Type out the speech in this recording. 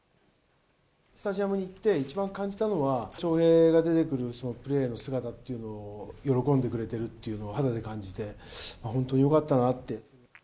スタジアムに行って、一番感じたのは、翔平が出てくるそのプレーの姿っていうのを喜んでくれてるっていうのを肌で感じて、本当によかったなって。